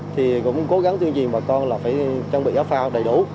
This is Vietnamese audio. thì cũng cố gắng tuyên truyền bà con là phải trang bị áo phao đầy đủ